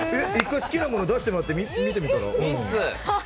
１回、好きなもの出してもらってみ？